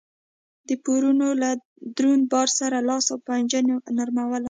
د پورونو له دروند بار سره لاس و پنجه نرموله